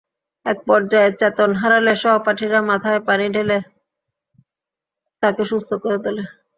একপর্যায়ে চেতন হারালে সহপাঠীরা মাথায় পানি ঢেলে তাকে সুস্থ করে তোলে।